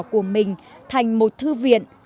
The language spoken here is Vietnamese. của mình thành một thư viện